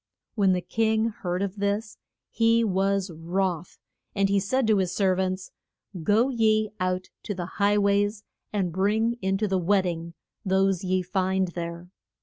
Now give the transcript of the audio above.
When the king heard of this he was wroth, and he said to his ser vants, Go ye out to the high ways and bring in to the wed ding those ye find there.